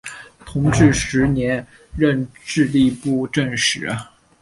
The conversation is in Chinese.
同治十年任直隶布政使。